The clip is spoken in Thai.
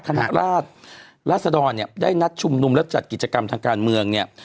คณะราชดรเนี่ยได้นัดชุมนุมและจัดกิจกรรมทางการเมืองเนี่ย